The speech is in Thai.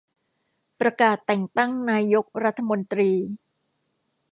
ประกาศแต่งตั้งนายกรัฐมนตรี